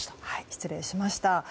失礼致しました。